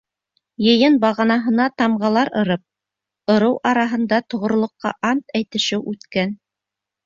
Йыйын бағанаһына тамғалар ырып, ырыу араһында тоғролоҡҡа ант әйтешеү үткән.